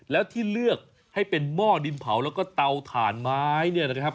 แล้วที่เลือกให้เป็นหม้อดินเผาแล้วก็เตาถ่านไม้เนี่ยนะครับ